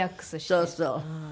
そうそう。